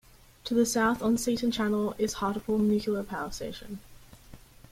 To the south on Seaton Channel is Hartlepool Nuclear Power Station.